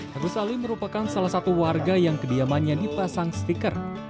agus ali merupakan salah satu warga yang kediamannya dipasang stiker